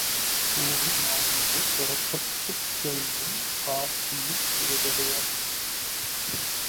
கூடி மாலுமிகள் புறப்பட்டுச் செல்லும் காட்சியில் ஈடுபடுவர்.